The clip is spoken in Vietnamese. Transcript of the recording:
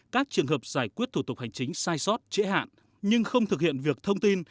các trường hợp giải quyết thủ tục hành chính sai sót trễ hạn nhưng không thực hiện việc thông tin